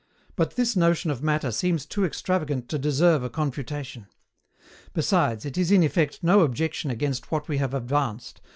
But, this notion of Matter seems too extravagant to deserve a confutation. Besides, it is in effect no objection against what we have advanced, viz.